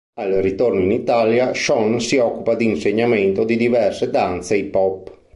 Al ritorno in Italia, Sean si occupa di insegnamento di diverse danze hip hop.